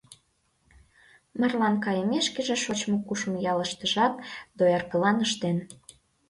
Марлан кайымешкыже шочмо-кушмо ялыштыжак дояркылан ыштен.